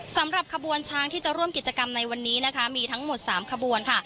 สำหรับขบวนช้างที่จะร่วมกิจกรรมในวันนี้นะคะมีทั้งหมด๓ขบวนค่ะ